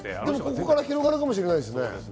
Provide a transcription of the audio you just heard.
ここから広がるかもしれないですね。